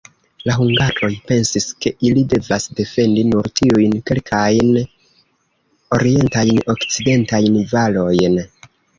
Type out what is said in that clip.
La hungaroj pensis, ke ili devas defendi nur tiujn kelkajn orientajn-okcidentajn valojn.